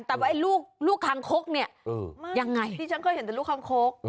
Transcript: ตามว่าไอ้ลูกลูกข้างโค๊กเนี่ยอืมยังไงที่ฉันเคยเห็นแต่ลูกข้างโค๊ก